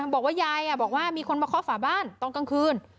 บอกว่ายายบอกว่ามีคนมาเคาะฝาบ้านตอนกลางคืน